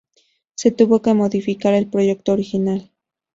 Se tuvo que modificar el proyecto original.